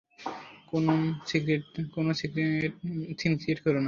কোন সিনক্রিয়েট কোরো না?